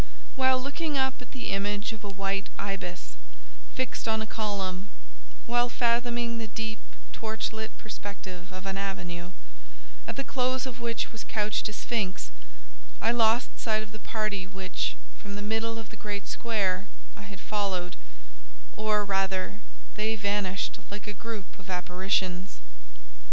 While looking up at the image of a white ibis, fixed on a column—while fathoming the deep, torch lit perspective of an avenue, at the close of which was couched a sphinx—I lost sight of the party which, from the middle of the great square, I had followed—or, rather, they vanished like a group of apparitions.